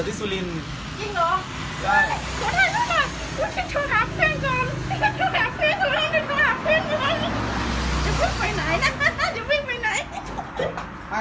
ก็คิดเลยใช่กล้องไวไลท์